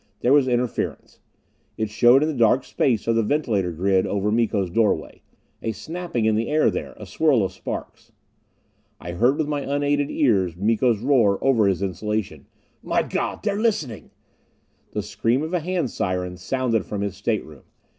There was interference; it showed in the dark space of the ventilator grid over Miko's doorway; a snapping in the air there, a swirl of sparks. I heard with my unaided ears Miko's roar over his insulation: "By God, they're listening!" The scream of a hand siren sounded from his stateroom.